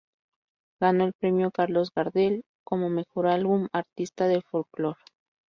Ganó el premio Carlos Gardel como "Mejor Álbum Artista de Folklore".